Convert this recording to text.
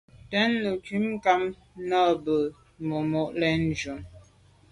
Ntù’ nekum ngu’ gham nà à be num mo’ le’njù.